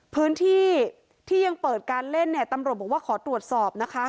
พื้นที่ที่ยังเปิดการเล่นเนี่ยตำรวจบอกว่าขอตรวจสอบนะคะ